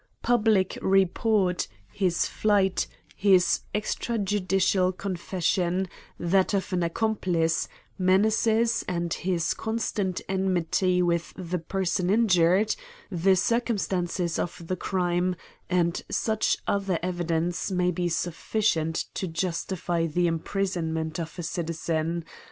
Public report, his fiiejht, his extrajudicial confession, that of an ac complice, menaces, and his constant enmity with th( person injured, the circumstances of the crime, and such other evidence, may be sufficient 110 AN ESSAY ON to justify the imprisonment of a citizen.